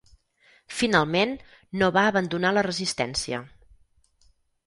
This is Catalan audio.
Finalment, no va abandonar la resistència.